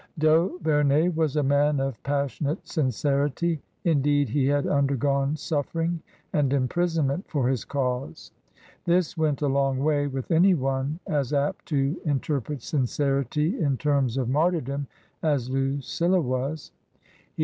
D'Auvemey was a man of passionate sincerity — indeed, he had undergone suffering and imprisonment for his cause. This went a long way with anyone as apt to inter pret sincerity in terms of martyrdom as Lucilla was. He TRANSITION.